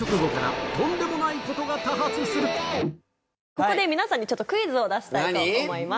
ここで皆さんにクイズを出したいと思います。